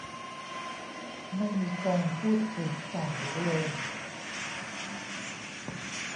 ไม่มีการพูดถึงต่างหูเลย